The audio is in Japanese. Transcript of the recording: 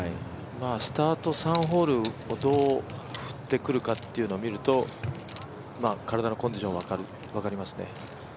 スタート３ホール、どう振ってくるかというのを見ると体のコンディション分かりますね。